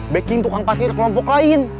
baking tukang parkir kelompok lain